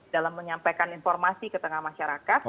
dalam menyampaikan informasi ke tengah masyarakat